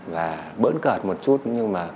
và bỡn cợt một chút nhưng mà